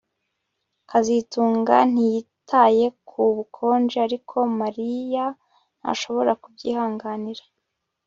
kazitunga ntiyitaye ku bukonje ariko Mariya ntashobora kubyihanganira